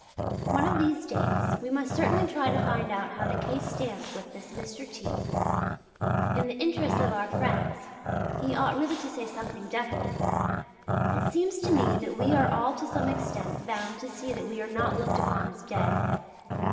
One of these days we must certainly try to find out how the case stands with this Mr. T. In the interests of our friends he ought really to say something definite. It seems to me that we are all to some extent bound to see that we are not looked upon as dead.